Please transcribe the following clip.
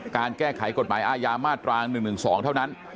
การแก้ไขกฎหมายอาญามาตรา๑๑๒เท่านั้น